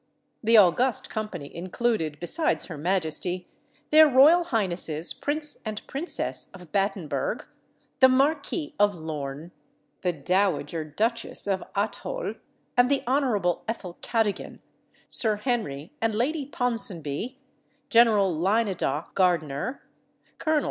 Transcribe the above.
The august company included, besides her majesty, their royal highnesses Prince and Princess of Battenburg, the Marquis of Lorne, the dowager Duchess of Athole, and the Hon. Ethel Cadogan, Sir Henry and Lady Ponsonby, Gen. Lynedoch Gardiner, Col.